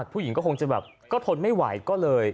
ผู้หญิงก็คงจะแบบก็ทนไม่ไหวก็เลย